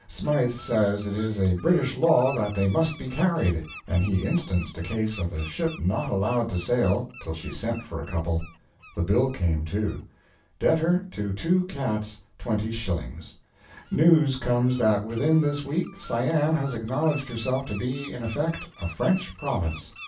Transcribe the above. Smythe says it is a British law that they must be carried; and he instanced a case of a ship not allowed to sail till she sent for a couple. The bill came, too: "Debtor, to 2 cats, 20 shillings." ... News comes that within this week Siam has acknowledged herself to be, in effect, a French province.